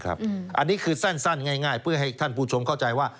อันนี้คือสั้นง่ายเพื่อให้ท่านผู้ชมเข้าใจว่า